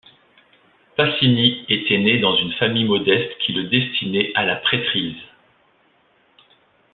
Pacini était né dans une famille modeste qui le destinait à la prêtrise.